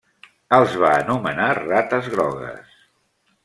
Els va anomenar rates grogues.